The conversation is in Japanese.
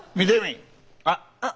あっ！